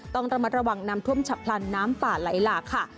ต้องระมัดระวังน้ำท่วมฉับพลันน้ำป่าไหลหลากค่ะ